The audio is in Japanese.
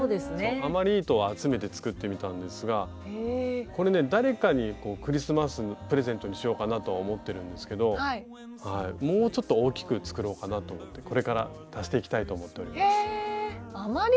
余り糸を集めて作ってみたんですがこれね誰かにクリスマスプレゼントにしようかなとは思ってるんですけどもうちょっと大きく作ろうかなと思ってこれから足していきたいと思っております。